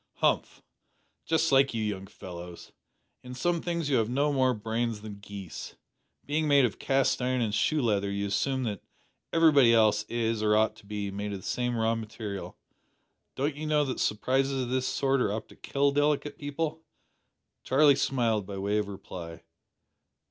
"Humph! Just like you young fellows. In some things you have no more brains than geese. Being made of cast iron and shoe leather you assume that everybody else is, or ought to be, made of the same raw material. Don't you know that surprises of this sort are apt to kill delicate people?" Charlie smiled by way of reply.